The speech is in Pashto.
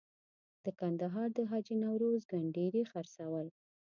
د کندهار د حاجي نوروز کنډیري خرڅول.